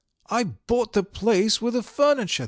I bought the place with the furniture.